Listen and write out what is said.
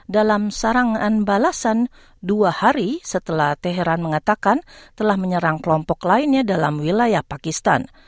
dalam sarangan balasan dua hari setelah teheran mengatakan telah menyerang kelompok lainnya dalam wilayah pakistan